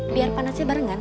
biar panasnya barengan